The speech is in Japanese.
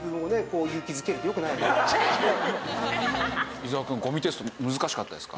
伊沢くん五味テスト難しかったですか？